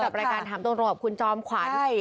กับรายการถามตรงของคุณจอมขวัญ